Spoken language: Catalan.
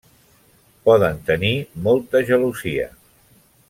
Poden tenir molta gelosia.